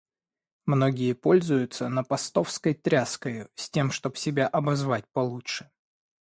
Многие пользуются напостовской тряскою, с тем чтоб себя обозвать получше.